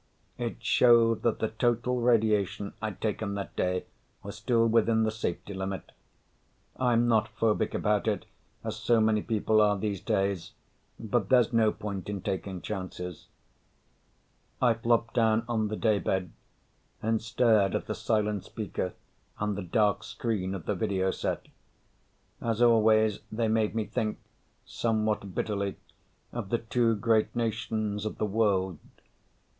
It showed that the total radiation I'd taken that day was still within the safety limit. I'm not phobic about it, as so many people are these days, but there's no point in taking chances. I flopped down on the day bed and stared at the silent speaker and the dark screen of the video set. As always, they made me think, somewhat bitterly, of the two great nations of the world.